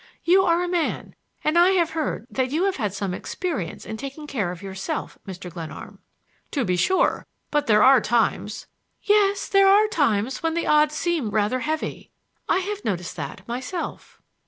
You are a man, and I have heard that you have had some experience in taking care of yourself, Mr. Glenarm." "To be sure; but there are times—" "Yes, there are times when the odds seem rather heavy. I have noticed that myself."